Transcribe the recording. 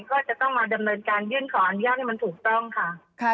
ก็จะต้องมาดำเนินการยื่นขออนุญาตให้มันถูกต้องค่ะ